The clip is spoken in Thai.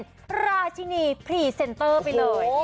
เจ้าจ้าชินีพรีเซนเตอร์ไปเลย